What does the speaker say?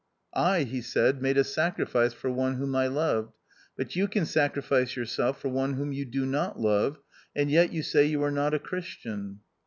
"I," he said, "made a sacrifice for one whom I loved. But you can sacrifice your self for one whom you do not love, and yet you say you are not a Christian."